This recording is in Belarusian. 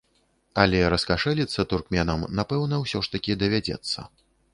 Але раскашэліцца туркменам, напэўна, усё ж такі давядзецца.